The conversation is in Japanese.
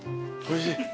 おいしい？